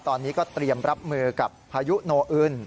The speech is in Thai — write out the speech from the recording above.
ตอนนี้ก็เตรียมรับมือกับพายุโนอึน